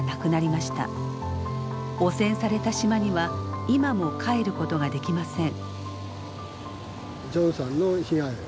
汚染された島には今も帰ることができません。